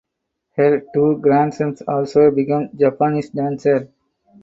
Her two grandsons also became Japanese dancers.